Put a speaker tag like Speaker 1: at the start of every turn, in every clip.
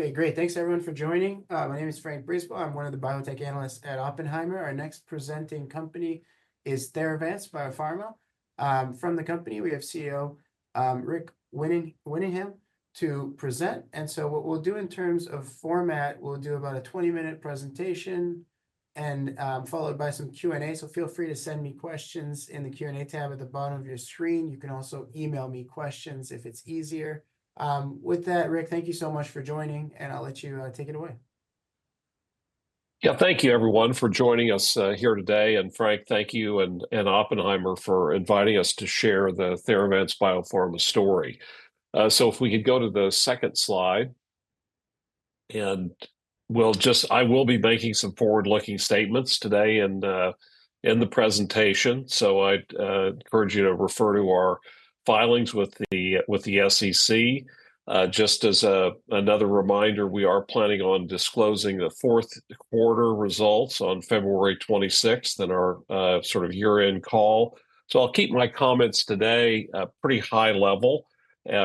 Speaker 1: Okay, great. Thanks, everyone, for joining. My name is Frank Brisebois. I'm one of the biotech analysts at Oppenheimer. Our next presenting company is Theravance Biopharma. From the company, we have CEO Rick Winningham to present, and so, what we'll do in terms of format, we'll do about a 20-minute presentation, and followed by some Q&A. Feel free to send me questions in the Q&A tab at the bottom of your screen. You can also email me questions if it's easier. With that, Rick, thank you so much for joining, and I'll let you now, take it away.
Speaker 2: Yeah, thank you, everyone, for joining here today, and Frank, thank you, and Oppenheimer for inviting to share the Theravance Biopharma story. If we could go to the second slide. I will be making some forward-looking statements today in the presentation. I encourage you to refer to our filings with the SEC. Just as another reminder, we are planning on disclosing the fourth quarter results on February 26th in our sort of year-end call. I'll keep my comments today pretty high level,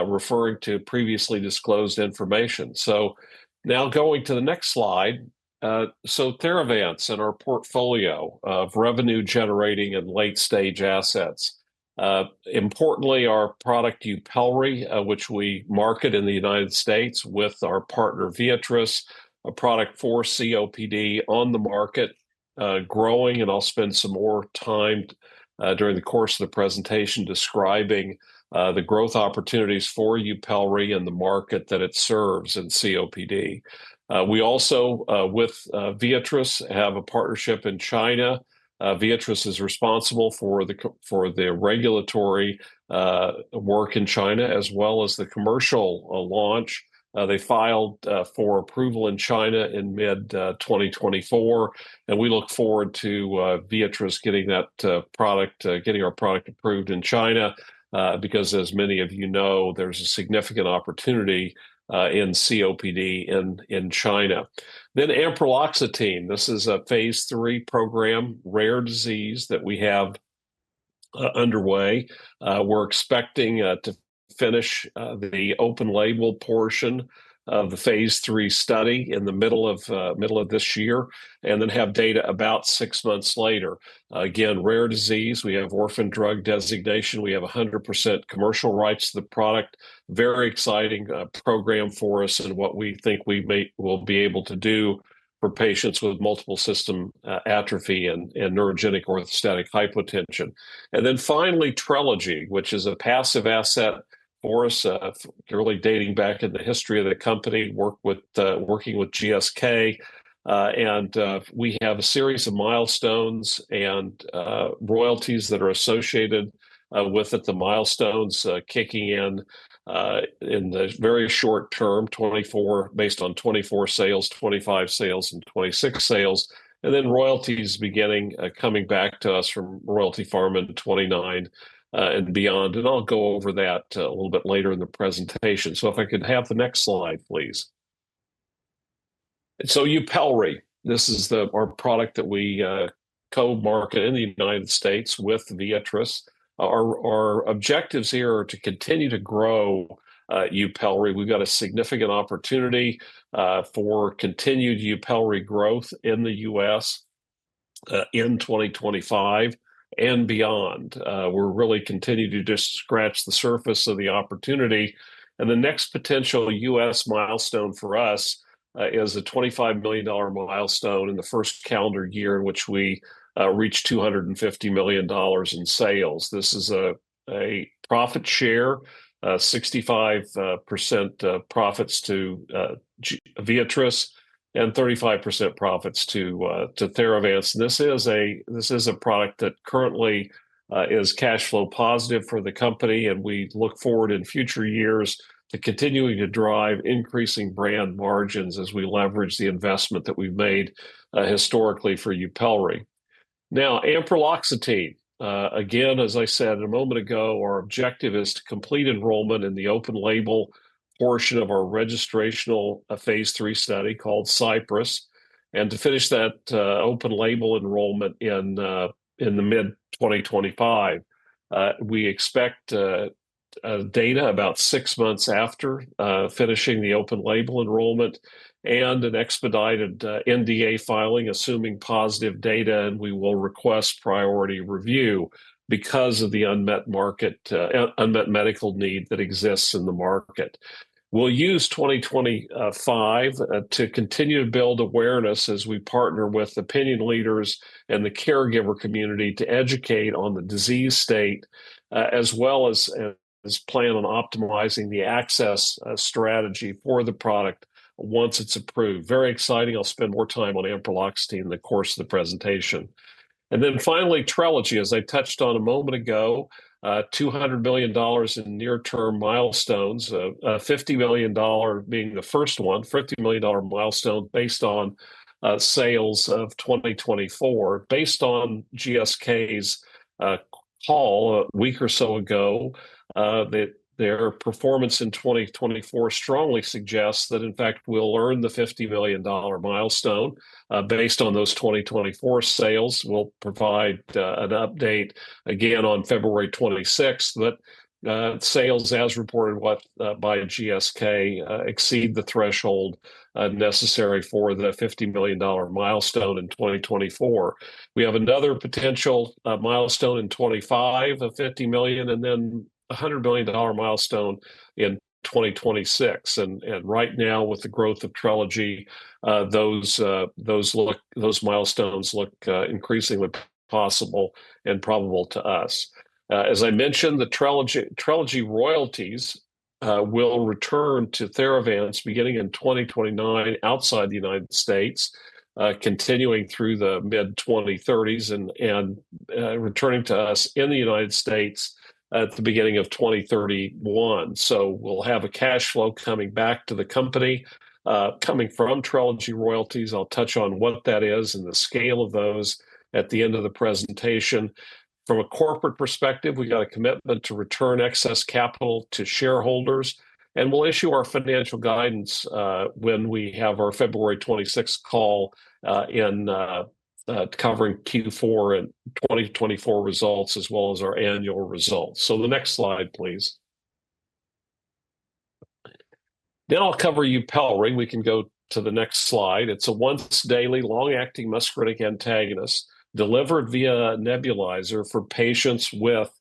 Speaker 2: referring to previously disclosed information. Now going to the next slide. Theravance and our portfolio of revenue-generating and late-stage assets. Importantly, our product YUPELRI, which we market in the United States with our partner Viatris, a product for COPD on the market, growing. I'll spend some more time during the course of the presentation describing the growth opportunities for YUPELRI and the market that it serves in COPD. We also, with Viatris, have a partnership in China. Viatris is responsible for the regulatory work in China, as well as the commercial launch. They filed for approval in China in mid-2024. We look forward to Viatris getting that product, getting our product approved in China, because, as many of you know, there's a significant opportunity in COPD in China. Then, ampreloxetine, this is a phase III program, rare disease that we have underway. We're expecting to finish the open-label portion of the phase III study in the middle of this year and then have data about six months later. Again, rare disease, we have orphan drug designation. We have 100% commercial rights to the product. Very exciting program for us and what we think we will be able to do for patients with multiple system atrophy and neurogenic orthostatic hypotension, and then, finally, Trelegy, which is a passive asset for us, really dating back in the history of the company, working with GSK. We have a series of milestones and royalties that are associated with the milestones kicking in in the very short term, based on 2024 sales, 2025 sales, and 2026 sales, and then, royalties begin coming back to us from Royalty Pharma in 2029 and beyond. I'll go over that a little bit later in the presentation. If I could have the next slide, please. So, YUPELRI, this is our product that we co-market in the United States with Viatris. Our objectives here are to continue to grow YUPELRI. We've got a significant opportunity for continued YUPELRI growth in the U.S. in 2025 and beyond. We're really continuing to just scratch the surface of the opportunity. The next potential U.S. milestone for us is a $25 million milestone in the first calendar year in which we reach $250 million in sales. This is a profit share, 65% profits to Viatris and 35% profits to Theravance. This is a product that currently is cash flow positive for the company. We look forward in future years to continuing to drive increasing brand margins as we leverage the investment that we've made historically for YUPELRI. Now, ampreloxetine. Again, as I said a moment ago, our objective is to complete enrollment in the open-label portion of our registrational phase III study called CYPRESS, and to finish that open-label enrollment in the mid-2025. We expect data about six months after finishing the open-label enrollment and an expedited NDA filing, assuming positive data. We will request priority review because of the unmet medical need that exists in the market. We'll use 2025 to continue to build awareness as we partner with opinion leaders and the caregiver community to educate on the disease state, as well as plan on optimizing the access strategy for the product once it's approved. Very exciting. I'll spend more time on ampreloxetine in the course of the presentation. Finally, Trelegy, as I touched on a moment ago, $200 million in near-term milestones, $50 million being the first one, $50 million milestone based on sales of 2024. Based on GSK's call a week or so ago, their performance in 2024 strongly suggests that, in fact, we'll earn the $50 million milestone based on those 2024 sales. We'll provide an update again on February 26th that sales, as reported by GSK, exceed the threshold necessary for the $50 million milestone in 2024. We have another potential milestone in 2025 of $50 million and then a $100 million milestone in 2026. Right now, with the growth of Trelegy, those milestones look increasingly possible and probable to us. As I mentioned, the Trelegy royalties will return to Theravance beginning in 2029 outside the U.S., continuing through the mid-2030s and returning to us in the United States at the beginning of 2031. We'll have a cash flow coming back to the company coming from Trelegy royalties. I'll touch on what that is and the scale of those at the end of the presentation. From a corporate perspective, we've got a commitment to return excess capital to shareholders. We will issue our financial guidance when we have our February 26 call covering Q4 and 2024 results, as well as our annual results. The next slide, please. I will cover YUPELRI. We can go to the next slide. It is a once-daily long-acting muscarinic antagonist delivered via nebulizer for patients with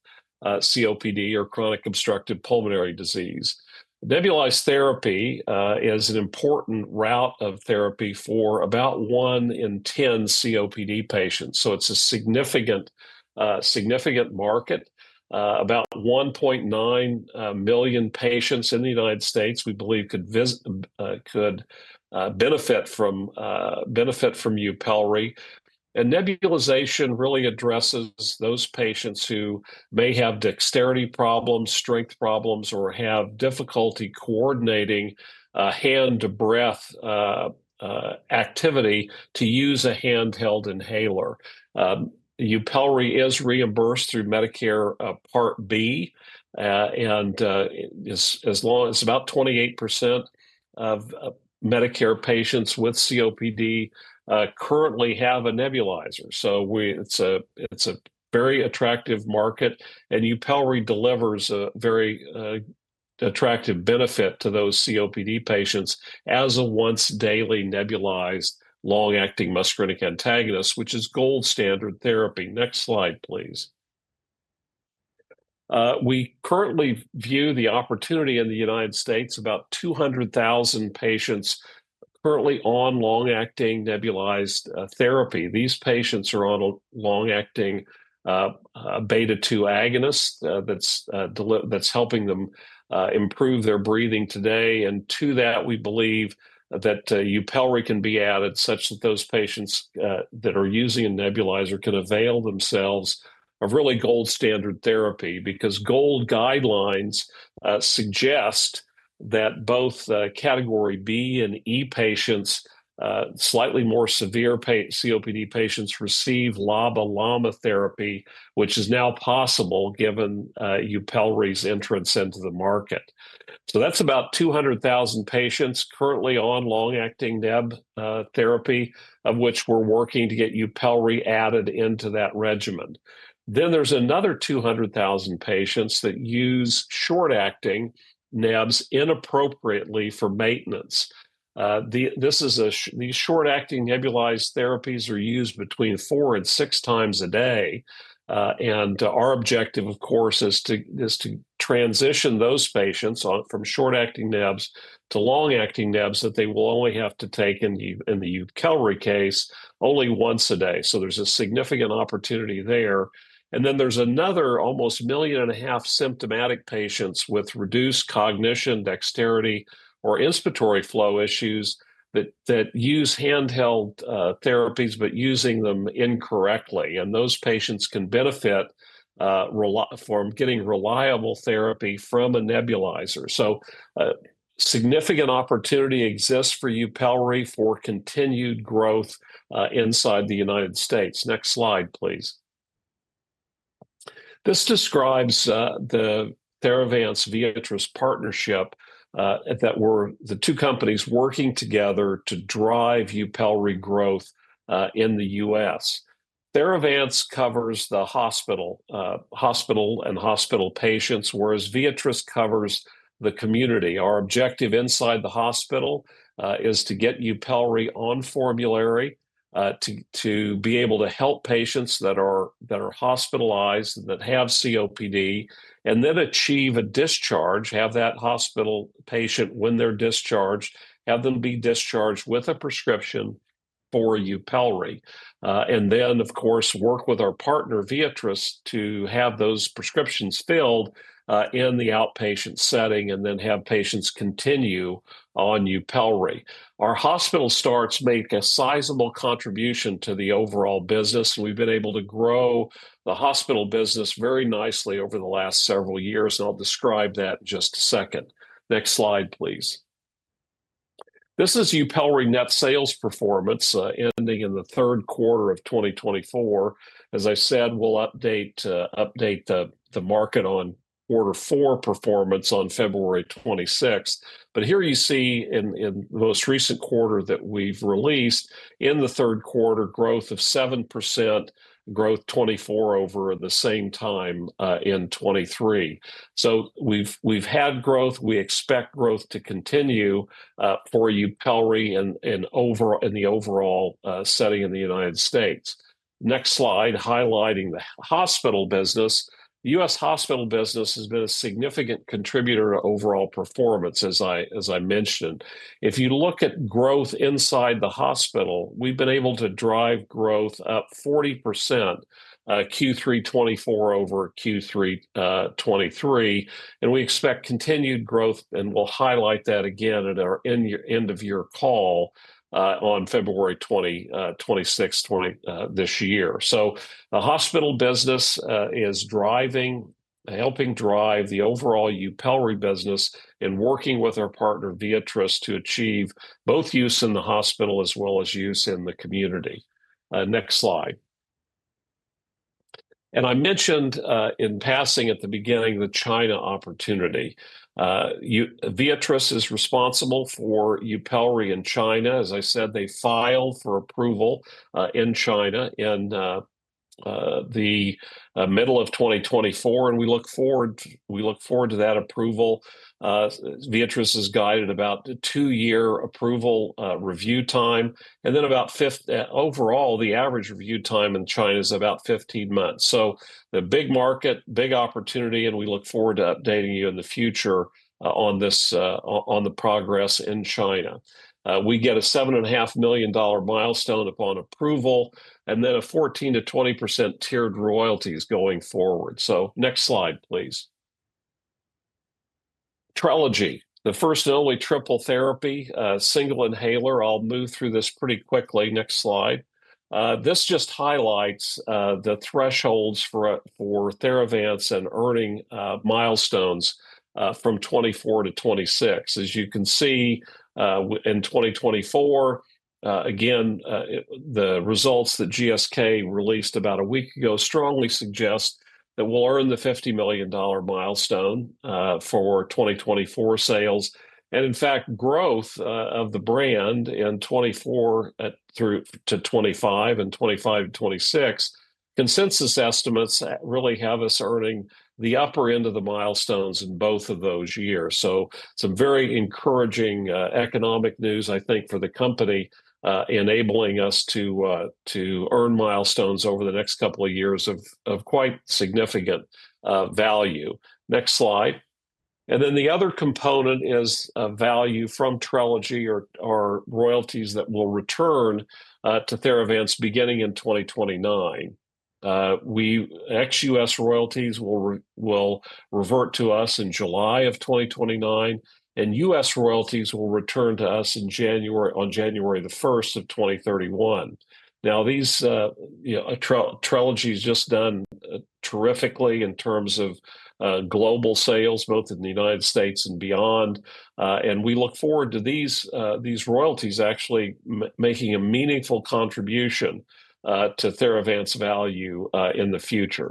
Speaker 2: COPD or chronic obstructive pulmonary disease. Nebulized therapy is an important route of therapy for about one in 10 COPD patients. It is a significant market. About 1.9 million patients in the United States, we believe, could benefit from YUPELRI. Nebulization really addresses those patients who may have dexterity problems, strength problems, or have difficulty coordinating hand-to-breath activity to use a handheld inhaler. YUPELRI is reimbursed through Medicare Part B, and about 28% of Medicare patients with COPD currently have a nebulizer. It is a very attractive market. YUPELRI delivers a very attractive benefit to those COPD patients as a once-daily nebulized long-acting muscarinic antagonist, which is gold standard therapy. Next slide, please. We currently view the opportunity in the United States, about 200,000 patients currently on long-acting nebulized therapy. These patients are on a long-acting beta-2 agonist that's helping them improve their breathing today. To that, we believe that YUPELRI can be added such that those patients that are using a nebulizer can avail themselves of really gold standard therapy because GOLD guidelines suggest that both category B and E patients, slightly more severe COPD patients, receive LABA/LAMA therapy, which is now possible given YUPELRI's entrance into the market. That's about 200,000 patients currently on long-acting neb therapy, of which we're working to get YUPELRI added into that regimen. There is another 200,000 patients that use short-acting nebs inappropriately for maintenance. These short-acting nebulized therapies are used between four and six times a day, and our objective, of course, is to transition those patients from short-acting nebs to long-acting nebs that they will only have to take, in the YUPELRI case, only once a day. There is a significant opportunity there. There is another almost 1.5 million symptomatic patients with reduced cognition, dexterity, or inspiratory flow issues that use handheld therapies, but using them incorrectly, and those patients can benefit from getting reliable therapy from a nebulizer. Significant opportunity exists for YUPELRI for continued growth inside the United States. Next slide, please. This describes the Theravance Biopharma Viatris partnership, that we are the two companies working together to drive YUPELRI growth in the U.S. Theravance Biopharma covers the hospital and hospital patients, whereas Viatris covers the community. Our objective inside the hospital is to get YUPELRI on formulary to be able to help patients that are hospitalized, that have COPD, and then achieve a discharge, have that hospital patient when they're discharged, have them be discharged with a prescription for YUPELRI, and then, of course, work with our partner Viatris to have those prescriptions filled in the outpatient setting and then have patients continue on YUPELRI. Our hospital starts make a sizable contribution to the overall business. We've been able to grow the hospital business very nicely over the last several years. I'll describe that in just a second. Next slide, please. This is YUPELRI net sales performance ending in the third quarter of 2024. As I said, we'll update the market on quarter four performance on February 26th. Here you see in the most recent quarter that we've released in the third quarter, growth of 7%, growth 24% over the same time in 2023. We have had growth. We expect growth to continue for YUPELRI in the overall setting in the United States. Next slide, highlighting the hospital business. The U.S. hospital business has been a significant contributor to overall performance, as I mentioned. If you look at growth inside the hospital, we've been able to drive growth up 40% Q3 2024 over Q3 2023. We expect continued growth, and we'll highlight that again at our end of year call on February 26, 2023, this year. The hospital business is driving, helping drive the overall YUPELRI business and working with our partner Viatris to achieve both use in the hospital as well as use in the community. Next slide. I mentioned in passing at the beginning the China opportunity. Viatris is responsible for YUPELRI in China. As I said, they filed for approval in China in the middle of 2024. We look forward to that approval. Viatris has guided about a two-year approval review time. About fifth overall, the average review time in China is about 15 months. The big market, big opportunity, and we look forward to updating you in the future on the progress in China. We get a $7.5 million milestone upon approval and then a 14%-20% tiered royalties going forward. Next slide, please. Trelegy, the first and only triple therapy, single inhaler. I'll move through this pretty quickly. Next slide. This just highlights the thresholds for Theravance and earning milestones from 2024 to 2026. As you can see, in 2024, again, the results that GSK released about a week ago strongly suggest that we'll earn the $50 million milestone for 2024 sales. In fact, growth of the brand in 2024 through to 2025 and 2025 to 2026, consensus estimates really have us earning the upper end of the milestones in both of those years. Some very encouraging economic news, I think, for the company, enabling us to earn milestones over the next couple of years of quite significant value. Next slide. The other component is value from Trelegy or royalties that will return to Theravance beginning in 2029. ex-U.S. royalties will revert to us in July of 2029, and US royalties will return to us on January 1, 2031. Now, Trelegy has just done terrifically in terms of global sales, both in the United States and beyond. We look forward to these royalties actually making a meaningful contribution to Theravance value in the future.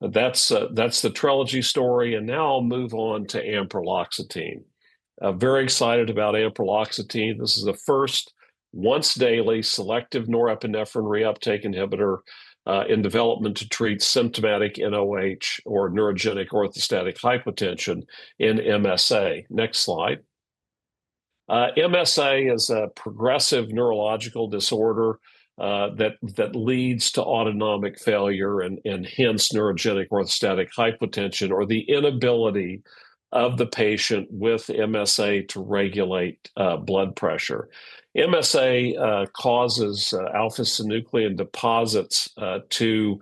Speaker 2: That's the Trelegy story. Now I'll move on to ampreloxetine. Very excited about ampreloxetine. This is the first once-daily selective norepinephrine reuptake inhibitor in development to treat symptomatic NOH or neurogenic orthostatic hypotension in MSA. Next slide. MSA is a progressive neurological disorder that leads to autonomic failure and hence neurogenic orthostatic hypotension or the inability of the patient with MSA to regulate blood pressure. MSA causes alpha-synuclein deposits to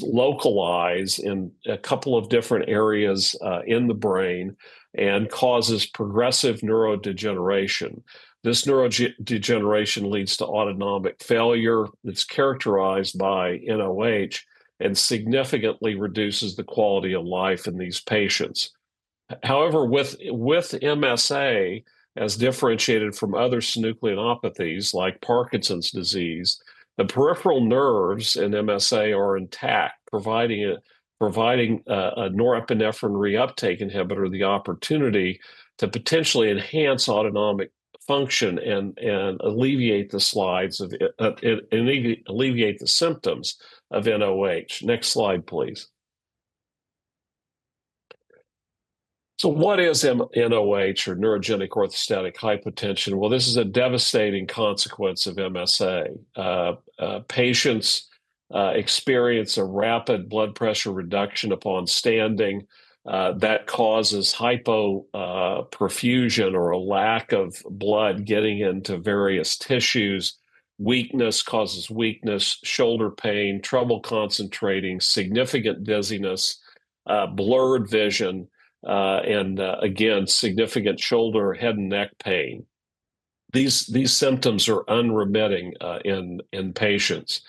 Speaker 2: localize in a couple of different areas in the brain and causes progressive neurodegeneration. This neurodegeneration leads to autonomic failure that's characterized by NOH and significantly reduces the quality of life in these patients. However, with MSA, as differentiated from other synucleinopathies like Parkinson's disease, the peripheral nerves in MSA are intact, providing a norepinephrine reuptake inhibitor the opportunity to potentially enhance autonomic function and alleviate the symptoms of NOH. Next slide, please. What is NOH or neurogenic orthostatic hypotension? This is a devastating consequence of MSA. Patients experience a rapid blood pressure reduction upon standing that causes hypoperfusion or a lack of blood getting into various tissues. Weakness causes weakness, shoulder pain, trouble concentrating, significant dizziness, blurred vision, and again, significant shoulder, head, and neck pain. These symptoms are unremitting in patients.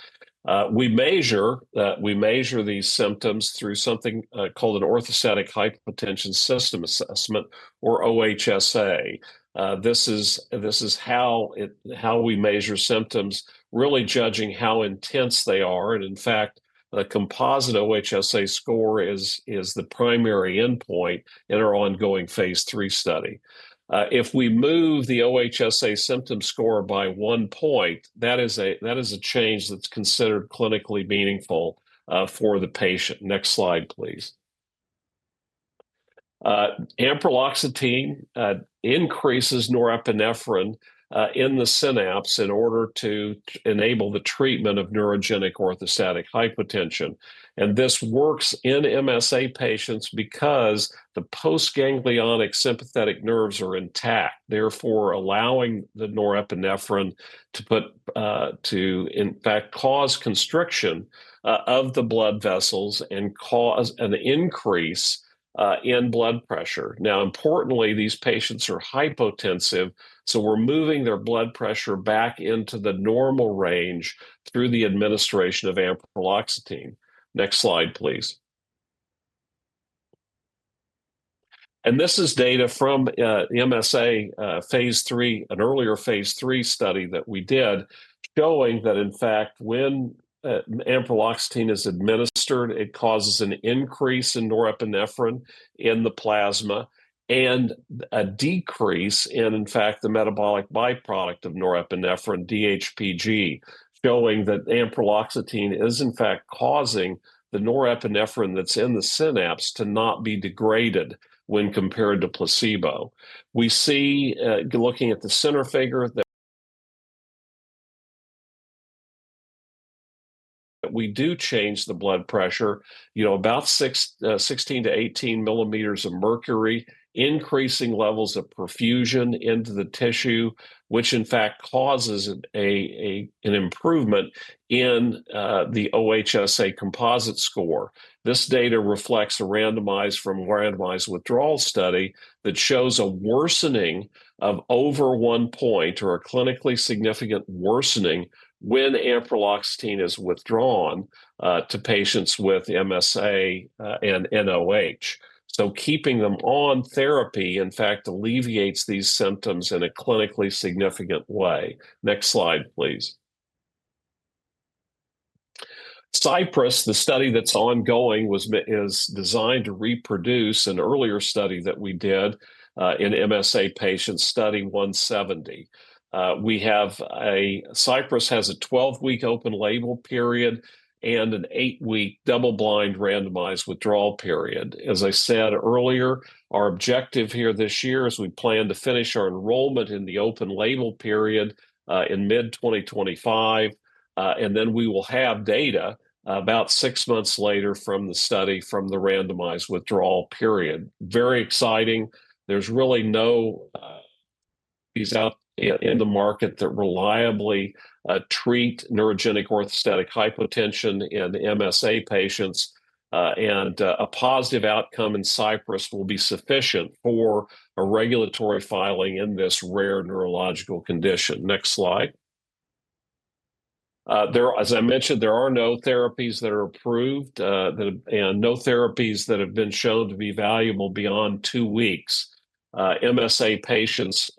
Speaker 2: We measure these symptoms through something called an Orthostatic Hypotension Symptom Assessment or OHSA. This is how we measure symptoms, really judging how intense they are. In fact, a composite OHSA score is the primary endpoint in our ongoing phase III study. If we move the OHSA symptom score by one point, that is a change that's considered clinically meaningful for the patient. Next slide, please. Ampreloxetine increases norepinephrine in the synapse in order to enable the treatment of neurogenic orthostatic hypotension. This works in MSA patients because the postganglionic sympathetic nerves are intact, therefore allowing the norepinephrine to, in fact, cause constriction of the blood vessels and cause an increase in blood pressure. Now, importantly, these patients are hypotensive, so we're moving their blood pressure back into the normal range through the administration of Ampreloxetine. Next slide, please. This is data from MSA phase III, an earlier phase III study that we did showing that, in fact, when Ampreloxetine is administered, it causes an increase in norepinephrine in the plasma and a decrease in, in fact, the metabolic byproduct of norepinephrine, DHPG, showing that Ampreloxetine is, in fact, causing the norepinephrine that's in the synapse to not be degraded when compared to placebo. We see, looking at the center figure, that we do change the blood pressure, about 16-18 millimeters of mercury, increasing levels of perfusion into the tissue, which, in fact, causes an improvement in the OHSA composite score. This data reflects a randomized withdrawal study that shows a worsening of over one point or a clinically significant worsening when Ampreloxetine is withdrawn to patients with MSA and NOH. Keeping them on therapy, in fact, alleviates these symptoms in a clinically significant way. Next slide, please. CYPRESS, the study that's ongoing, is designed to reproduce an earlier study that we did in MSA patients, Study 170. CYPRESS has a 12-week open label period and an 8-week double-blind randomized withdrawal period. As I said earlier, our objective here this year is we plan to finish our enrollment in the open label period in mid-2025, and then we will have data about six months later from the study from the randomized withdrawal period. Very exciting. There is really no disease in the market that reliably treats neurogenic orthostatic hypotension in MSA patients, and a positive outcome in CYPRESS will be sufficient for a regulatory filing in this rare neurological condition. Next slide. As I mentioned, there are no therapies that are approved and no therapies that have been shown to be valuable beyond two weeks. MSA patients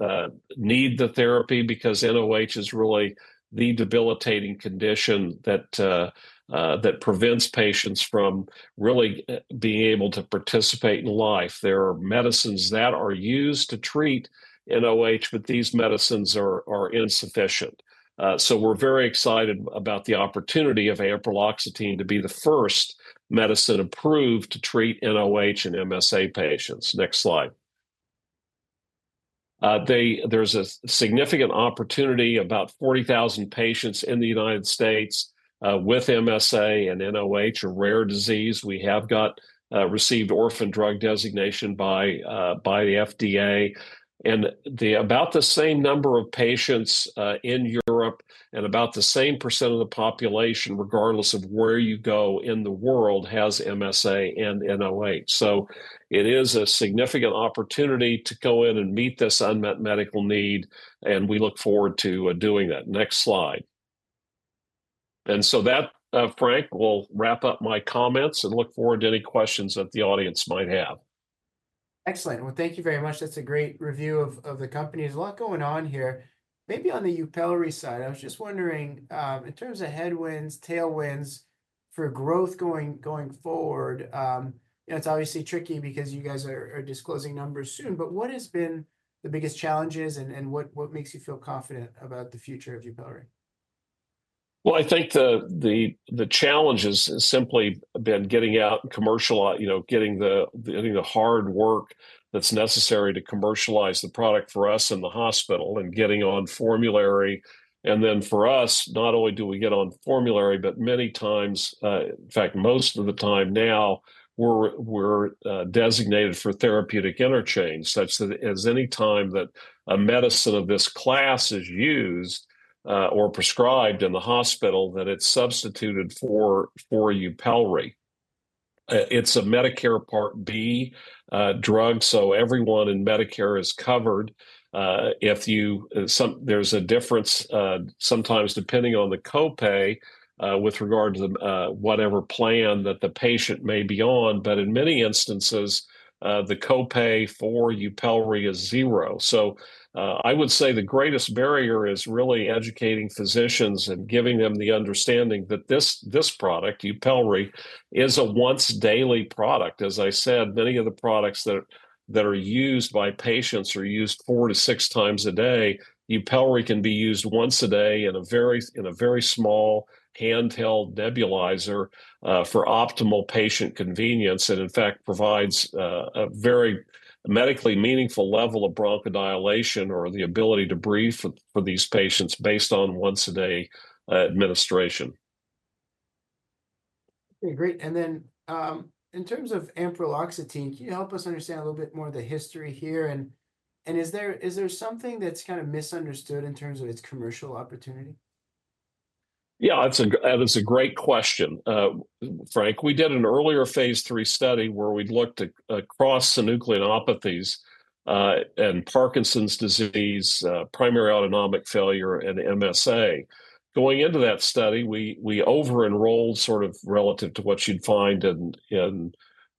Speaker 2: need the therapy because NOH is really the debilitating condition that prevents patients from really being able to participate in life. There are medicines that are used to treat NOH, but these medicines are insufficient. We are very excited about the opportunity of Ampreloxetine to be the first medicine approved to treat NOH and MSA patients. Next slide. There is a significant opportunity, about 40,000 patients in the United States with MSA and NOH, a rare disease. We have received orphan drug designation by the FDA. There are about the same number of patients in Europe and about the same percent of the population, regardless of where you go in the world, has MSA and NOH. It is a significant opportunity to go in and meet this unmet medical need, and we look forward to doing that. Next slide. That, Frank, will wrap up my comments and I look forward to any questions that the audience might have.
Speaker 1: Excellent. Thank you very much. That is a great review of the company. There is a lot going on here. Maybe on the YUPELRI side, I was just wondering, in terms of headwinds, tailwinds for growth going forward, it is obviously tricky because you guys are disclosing numbers soon, but what has been the biggest challenges and what makes you feel confident about the future of YUPELRI?
Speaker 2: I think the challenge has simply been getting out and commercializing, getting the hard work that is necessary to commercialize the product for us in the hospital and getting on formulary, and then, for us, not only do we get on formulary, but many times, in fact, most of the time now, we're designated for therapeutic interchange such that any time that a medicine of this class is used or prescribed in the hospital, it's substituted for YUPELRI. It's a Medicare Part B drug, so everyone in Medicare is covered. There's a difference sometimes depending on the copay with regard to whatever plan that the patient may be on, but in many instances, the copay for YUPELRI is zero. I would say the greatest barrier is really educating physicians and giving them the understanding that this product, YUPELRI, is a once-daily product. As I said, many of the products that are used by patients are used four to six times a day. YUPELRI can be used once a day in a very small handheld nebulizer for optimal patient convenience and, in fact, provides a very medically meaningful level of bronchodilation or the ability to breathe for these patients based on once-a-day administration.
Speaker 1: Okay, great. In terms of Ampreloxetine, can you help us understand a little bit more of the history here? Is there something that's kind of misunderstood in terms of its commercial opportunity?
Speaker 2: Yeah, that's a great question, Frank. We did an earlier phase III study where we looked across synucleinopathies and Parkinson's disease, primary autonomic failure, and MSA. Going into that study, we over-enrolled sort of relative to what you'd find in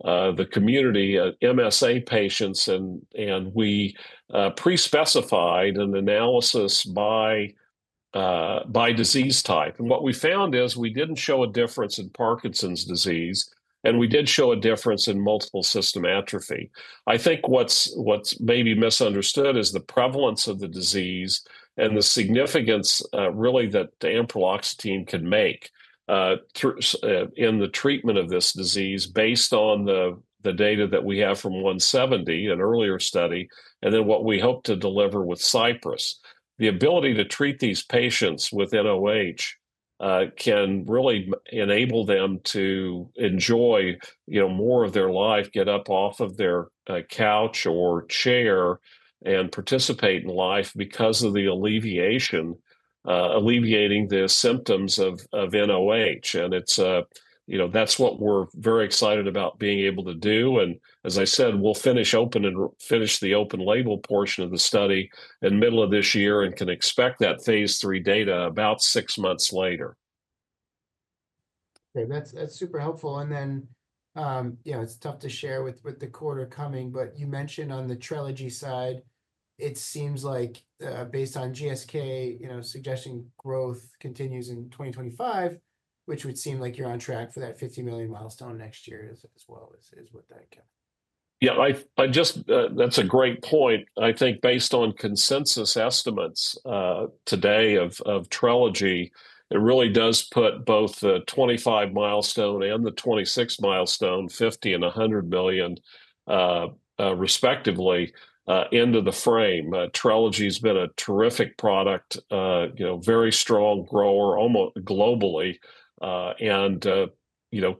Speaker 2: the community MSA patients, and we pre-specified an analysis by disease type. What we found is we didn't show a difference in Parkinson's disease, and we did show a difference in multiple system atrophy. I think what's maybe misunderstood is the prevalence of the disease and the significance really that Ampreloxetine can make in the treatment of this disease based on the data that we have from 170, an earlier study, and then what we hope to deliver with CYPRESS. The ability to treat these patients with NOH can really enable them to enjoy more of their life, get up off of their couch or chair, and participate in life because of alleviating the symptoms of NOH. That's what we're very excited about being able to do. As I said, we'll finish the open label portion of the study in the middle of this year and can expect that phase III data about six months later.
Speaker 1: Okay, that's super helpful, and then, it's tough to share with the quarter coming, but you mentioned on the Trelegy side, it seems like based on GSK suggesting growth continues in 2025, which would seem like you're on track for that $50 million milestone next year as well as what that can.
Speaker 2: Yeah, that's a great point. I think based on consensus estimates today of Trelegy, it really does put both the 2025 milestone and the 2026 milestone, $50 million and $100 million respectively, into the frame. Trelegy has been a terrific product, very strong grower globally. And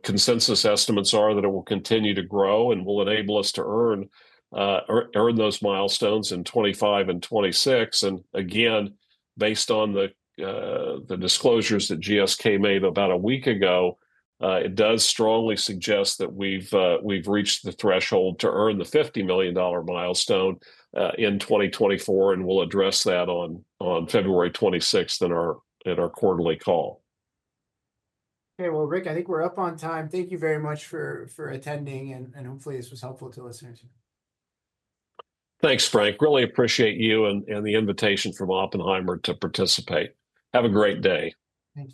Speaker 2: consensus estimates are that it will continue to grow and will enable us to earn those milestones in 2025 and 2026. Again, based on the disclosures that GSK made about a week ago, it does strongly suggest that we've reached the threshold to earn the $50 million milestone in 2024, and we'll address that on February 26th in our quarterly call.
Speaker 1: Okay, Rick, I think we're up on time. Thank you very much for attending, and hopefully, this was helpful to listeners.
Speaker 2: Thanks, Frank. Really appreciate you and the invitation from Oppenheimer to participate. Have a great day.
Speaker 1: Thank you.